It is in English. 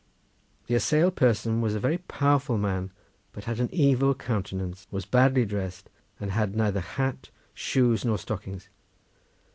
The assailed person was a very powerful man, but had an evil countenance, was badly dressed, and had neither hat, shoes nor stockings.